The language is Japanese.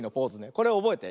これおぼえて。